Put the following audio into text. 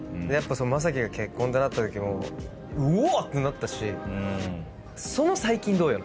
将暉が結婚ってなったときもうわっ！ってなったしその「最近どよ」なんですよ。